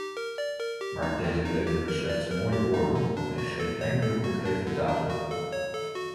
Maar deze leverde slechts mooie woorden en geen enkele concrete daad op.